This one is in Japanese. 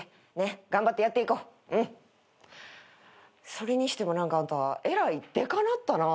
それにしても何かあんたえらいでかなったなぁ。